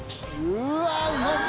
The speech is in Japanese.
「うわうまそう！」